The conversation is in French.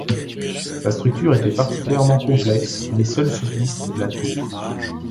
Sa structure était particulièrement complexe mais seule subsiste la tour.